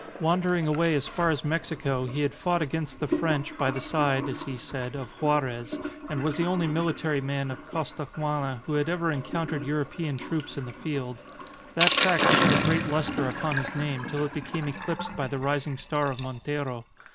Wandering away as far as Mexico he had fought against the French by the side (as he said) of Juarez, and was the only military man of Costaguana who had ever encountered European troops in the field. That fact shed a great lustre upon his name till it became eclipsed by the rising star of Montero.